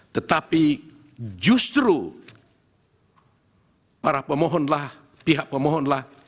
tetapi justru para pemohonlah pihak pemohonlah